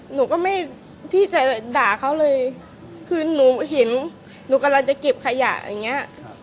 หนูก็ไม่ที่จะด่าเขาเลยคือหนูเห็นหนูกำลังจะเก็บขยะอย่างเงี้ย